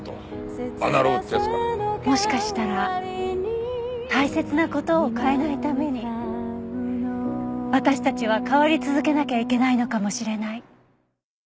もしかしたら大切な事を変えないために私たちは変わり続けなきゃいけないのかもしれない。